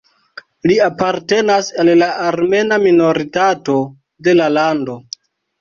Li apartenas al la armena minoritato de la lando.